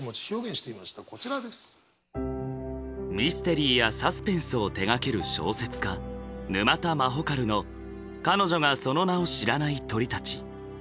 ミステリーやサスペンスを手がける小説家沼田まほかるの「彼女がその名を知らない鳥たち」。